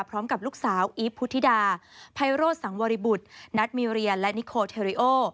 พร้อมกับลูกสาวอีฟพุทธิดาไพโรธสังวริบุตรนัทมีเรียนและนิโคเทริโอ